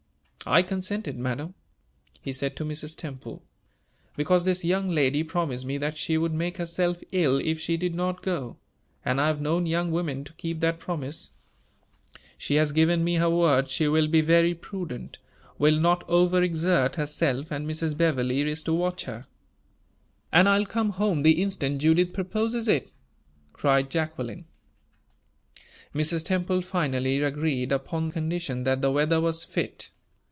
"I consented, madam," he said to Mrs. Temple, "because this young lady promised me that she would make herself ill if she did not go; and I have known young women to keep that promise. She has given me her word she will be very prudent will not overexert herself; and Mrs. Beverley is to watch her." "And I'll come home the instant Judith proposes it!" cried Jacqueline. Mrs. Temple finally agreed, upon condition that the weather was fit.